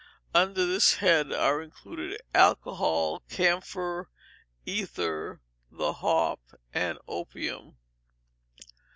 Under this head are included alcohol, camphor, ether, the hop, and opium.